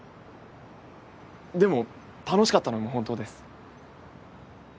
でも楽しかったのも本当です。